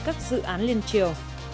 các dự án liên triều